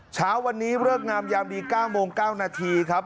เช้าวันนี้เลิกงามยามดี๙โมง๙นาทีครับ